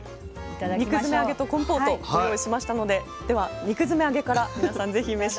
肉詰め揚げとコンポートご用意しましたのででは肉詰め揚げから皆さんぜひ召し上がってみて下さい。